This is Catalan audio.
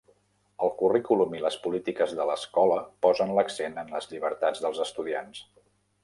El currículum i les polítiques de l'escola posen l'accent en les llibertats dels estudiants.